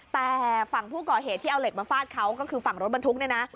แต่ฝั่งผู้ก่อเหตุที่เอาเหล็กมาฟาดเขาก็คือฝั่งรถบรรทุกเนี่ยนะ